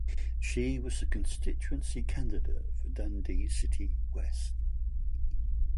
She was the constituency candidate for Dundee City West.